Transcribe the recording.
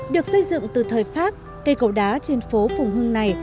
được xây dựng từ thời pháp cây cầu đá trên phố phùng hưng này